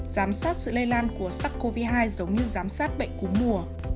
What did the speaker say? giám sát sự lây lan của sars cov hai giống như giám sát bệnh cúm mùa